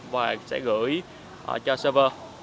và sẽ gửi cho server